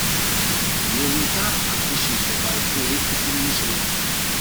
Le unità acquisite dal Kuwait furono sei.